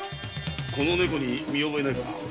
この猫に見覚えはないか？